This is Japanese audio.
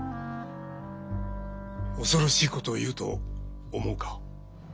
恐ろしいことを言うと思うか？